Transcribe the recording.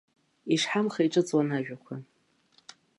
Ишҳамха иҿыҵуан ажәақәа.